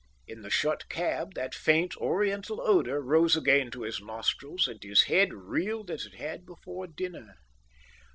In the shut cab that faint, oriental odour rose again to his nostrils, and his head reeled as it had before dinner.